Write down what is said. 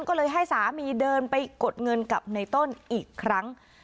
ก็เลยให้สามีเดินไปกดเงินกับในต้นอีกครั้ง